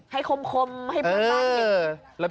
ให้คมให้ปรากฏ